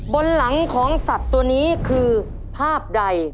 บนหลังของสัตว์ตัวนี้คือภาพใด